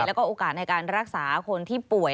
แล้วก็โอกาสในการรักษาคนที่ป่วย